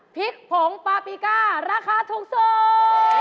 พริกผงปาปิก้าราคาทุกส่ง